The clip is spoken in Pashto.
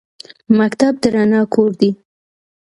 مکتب د رڼا کور دی